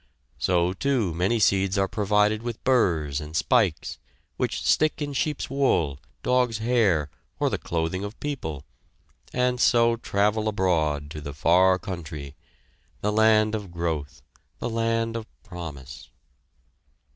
So, too, many seeds are provided with burrs and spikes, which stick in sheep's wool, dog's hair, or the clothing of people, and so travel abroad, to the far country the land of growth, the land of promise.